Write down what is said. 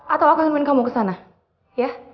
atau aku akan minum kamu ke sana ya